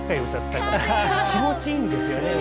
気持ちいいんですよね。